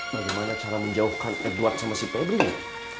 bagaimana cara menjauhkan edward sama si pebri ya